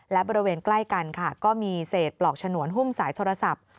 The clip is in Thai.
และบริเวณใกล้กันค่ะก็มีเศษปลอกฉนวนหุ้มสายโทรศัพท์